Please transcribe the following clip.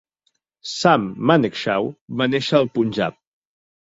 Sam Manekshaw va néixer al Punjab.